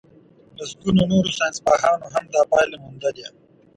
لسګونو نورو ساينسپوهانو هم دا پايله موندلې.